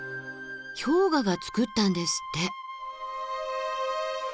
氷河がつくったんですって。